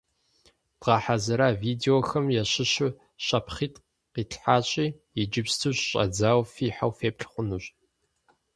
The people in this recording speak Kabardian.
Дгъэхьэзыра видеохэм ящыщу щапхъитӀ къитлъхьащи, иджыпсту щыщӀэдзауэ фихьэу феплъ хъунущ.